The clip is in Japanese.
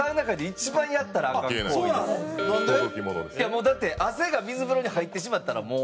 もうだって汗が水風呂に入ってしまったらもう。